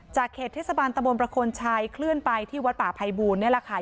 เขตเทศบาลตะบนประคนชัยเคลื่อนไปที่วัดป่าภัยบูลนี่แหละค่ะ